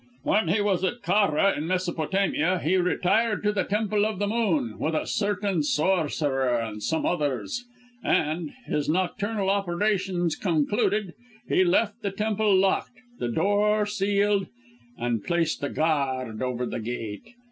"When he was at Carra in Mesopotamia, he retired to the Temple of the Moon, with a certain sorcerer and some others, and, his nocturnal operations concluded, he left the temple locked, the door sealed, and placed a guard over the gate.